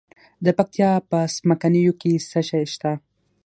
د پکتیا په څمکنیو کې څه شی شته؟